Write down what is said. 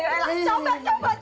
coba ketuk ketuk ketuk